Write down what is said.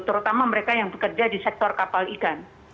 terutama mereka yang bekerja di sektor kapal ikan